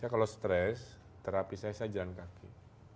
saya kalau stress terapi saya jalan kaki